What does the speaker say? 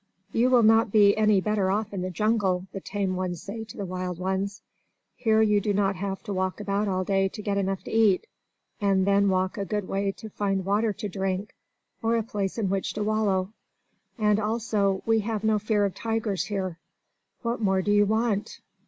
"You will not be any better off in the jungle," the tame ones say to the wild ones. "Here you do not have to walk about all day to get enough to eat, and then walk a good way to find water to drink, or a place in which to wallow. And, also, we have no fear of tigers here. What more do you want?"